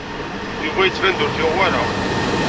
Yuba yettban-d ur t-yuɣ wara.